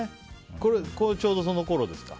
これ、ちょうどそのころですか？